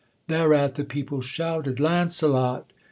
Thereat the people shouted: Launcelot!